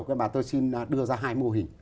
cái mà tôi xin đưa ra hai mô hình